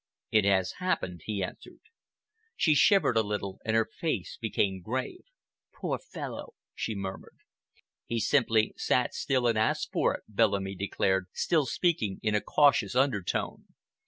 "It has happened," he answered. She shivered a little and her face became grave. "Poor fellow!" she murmured. "He simply sat still and asked for it," Bellamy declared, still speaking in a cautious undertone.